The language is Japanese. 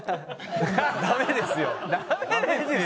ダメですよ。